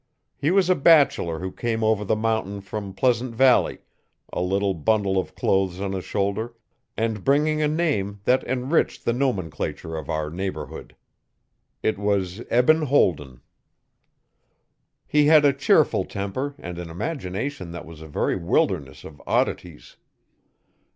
He was a bachelor who came over the mountain from Pleasant Valley, a little bundle of clothes on his shoulder, and bringing a name that enriched the nomenclature of our neighbourhood. It was Eben Holden. He had a cheerful temper and an imagination that was a very wilderness of oddities.